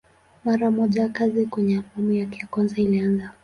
Mara moja kazi kwenye albamu yake ya kwanza ilianza.